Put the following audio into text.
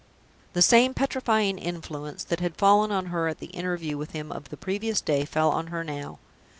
The same petrifying influence that had fallen on her at the interview with him of the previous day fell on her now.